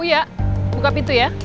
uya buka pintu ya